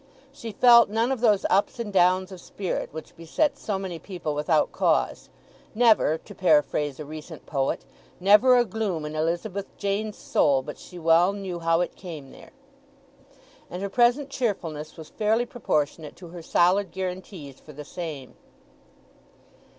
She felt none of those ups and downs of spirit which beset so many people without cause; never—to paraphrase a recent poet—never a gloom in Elizabeth Jane's soul but she well knew how it came there; and her present cheerfulness was fairly proportionate to her solid guarantees for the same.